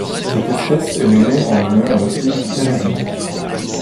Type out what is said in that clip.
Cette espèce est nommée en l'honneur de Yves Therezien.